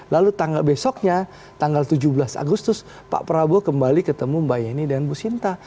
lalu tanggal besoknya tanggal tujuh belas agustus pak prabowo kembali ketemu mbak yeni dan bu sinta